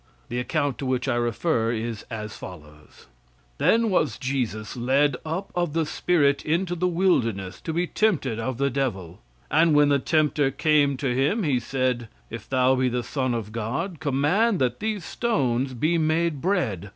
The account to which I refer is as follows: "Then was Jesus led up of the spirit into the wilderness to be tempted of the devil. And when the tempter came to him, he said: 'If thou be the son of God command that these stones be made bread.'